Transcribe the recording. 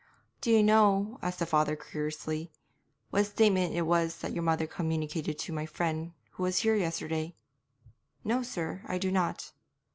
'Do you know,' asked the Father curiously, 'what statement it was that your mother communicated to my friend who was here yesterday?' 'No, sir, I do not.'